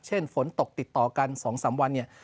เช่นฝนตกติดต่อกัน๒๓วัน